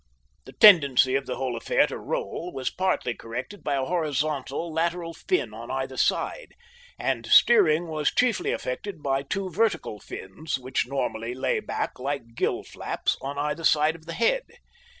The tendency of the whole affair to roll was partly corrected by a horizontal lateral fin on either side, and steering was chiefly effected by two vertical fins, which normally lay back like gill flaps on either side of the head.